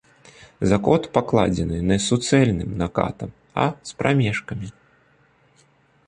Закот пакладзены не суцэльным накатам, а з прамежкамі.